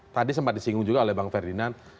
tadi sempat disinggung juga oleh bang ferdinand